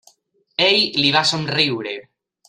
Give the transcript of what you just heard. Ell li va somriure.